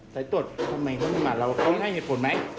สายตรวจทำไมไม่มาเราพร้อมให้เหตุผลไหม